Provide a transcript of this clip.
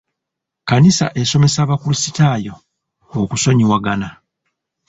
Kkanisa esomesa abakrisitaayo okusonyiwagana.